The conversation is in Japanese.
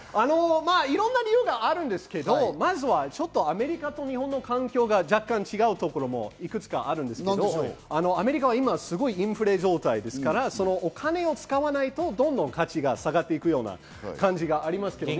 いろんな理由があるんですけど、アメリカと日本は若干、環境が違うところがありますけどアメリカは今インフレ状態ですから、お金を使わないと、どんどん価値が下がっていくような感じがありますけど。